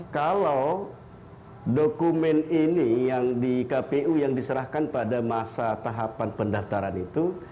kalau dokumen ini yang di kpu yang diserahkan pada masa tahapan pendaftaran itu